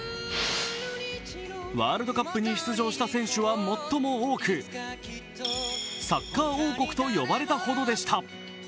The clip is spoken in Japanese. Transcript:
ワールドカップに出場した選手は最も多く、サッカー王国と呼ばれたほどでした。